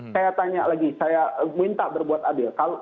saya tanya lagi saya minta berbuat adil